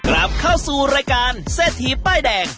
รับเข้าสู่รายการเศรษฐีป้ายแดง